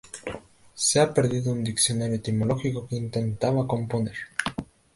Se ha perdido un "Diccionario etimológico" que intentaba componer.